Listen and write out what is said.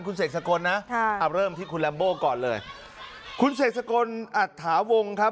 คุณเสกสกลนะค่ะเอาเริ่มที่คุณลัมโบก่อนเลยคุณเสกสกลอัตถาวงครับ